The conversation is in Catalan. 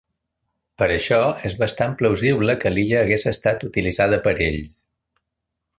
Per això és bastant plausible que l'illa hagués estat utilitzada per ells.